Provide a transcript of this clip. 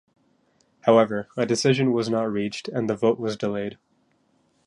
However, a decision was not reached and the vote was delayed.